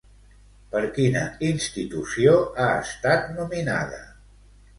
Per quina institució ha estat nominada?